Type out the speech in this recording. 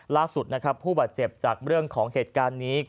ลักษุภูมิเจ็บจากเรื่องของเหตุการณ์นี้